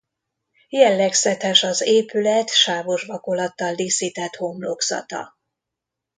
Jellegzetes az épület sávos vakolattal díszített homlokzata.